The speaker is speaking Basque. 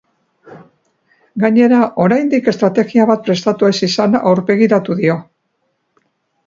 Gainera, oraindik estrategia bat prestatu ez izana aurpegiratu dio.